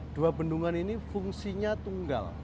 dua bendungan ini fungsinya tunggal